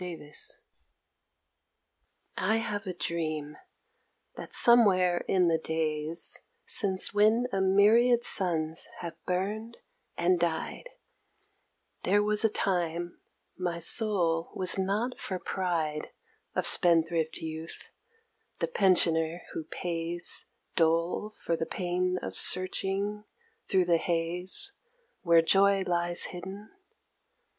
AGE I have a dream, that somewhere in the days, Since when a myriad suns have burned and died, There was a time my soul was not for pride Of spendthrift youth, the pensioner who pays Dole for the pain of searching thro' the haze Where joy lies hidden.